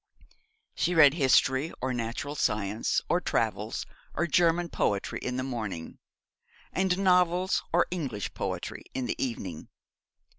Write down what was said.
She read history, or natural science, or travels, or German poetry in the morning, and novels or English poetry in the evening.